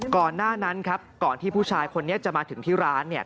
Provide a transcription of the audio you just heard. ก่อนหน้านั้นครับก่อนที่ผู้ชายคนนี้จะมาถึงที่ร้านเนี่ย